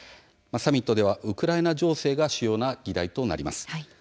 サミットではウクライナ情勢が主要な議題となります。